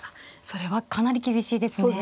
それはかなり厳しいですね。